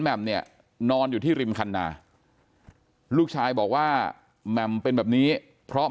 แหม่มเนี่ยนอนอยู่ที่ริมคันนาลูกชายบอกว่าแหม่มเป็นแบบนี้เพราะ